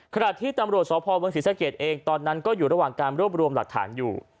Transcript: ขณะที่ตำรวจสพเมืองศรีสะเกดเองตอนนั้นก็อยู่ระหว่างการรวบรวมหลักฐานอยู่